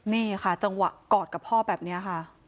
นี่ค่ะจังหวะกอดกับพ่อแบบนี้ค่ะ